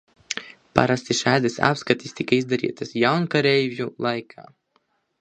Parasti šādas apskates tika izdarītas jaunkareivju laikā.